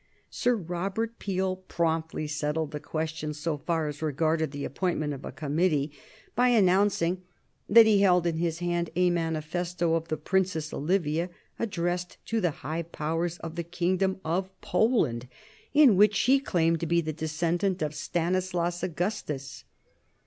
Sir Robert Peel promptly settled the question, so far as regarded the appointment of a committee, by announcing that he held in his hand a manifesto of the Princess Olivia, addressed to the high powers of the kingdom of Poland, in which she claimed to be the descendant of Stanislaus Augustus.